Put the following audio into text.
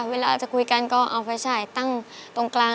เวลาจะคุยกันก็เอาไฟฉายตั้งตรงกลาง